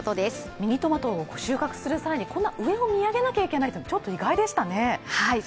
ミニトマトを収穫する際に、こんな上を見上げないといけないというのはちょっと意外でしたね。